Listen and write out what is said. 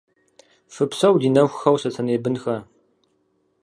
Фыпсэу, ди нэхухэу, сэтэней бынхэ.